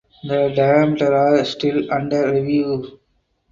The diameters are still under review.